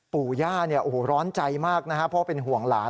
ปู่ย่าร้อนใจมากนะครับเพราะเป็นห่วงหลาน